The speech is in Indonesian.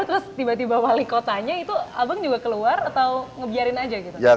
terus tiba tiba wali kotanya itu abang juga keluar atau ngebiarin aja gitu